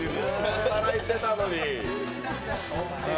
働いてたのに。